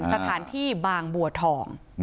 สถานที่บางบัวทอง